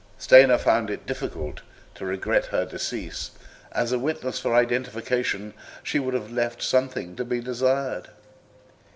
Stoner found it difficult to regret her decease; as a witness for identification she would have left something to be desired.